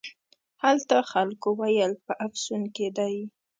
هلته خلکو ویل په افسون کې دی.